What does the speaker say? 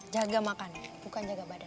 jaga makan bukan jaga badan